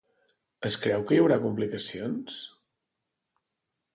Es creu que hi haurà complicacions?